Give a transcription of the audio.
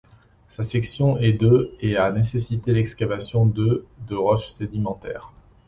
Sa section est de et a nécessité l'excavation de de roche sédimentaire.